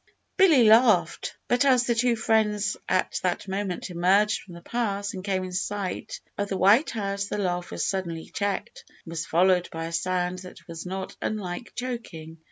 Billy laughed; but as the two friends at that moment emerged from the pass and came in sight of the White House, the laugh was suddenly checked, and was followed by a sound that was not unlike choking.